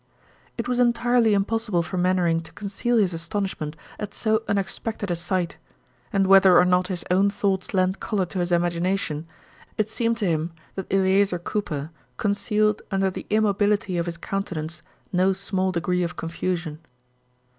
It was entirely impossible for Mainwaring to conceal his astonishment at so unexpected a sight, and whether or not his own thoughts lent color to his imagination, it seemed to him that Eleazer Cooper concealed under the immobility of his countenance no small degree of confusion.